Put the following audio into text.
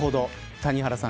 谷原さん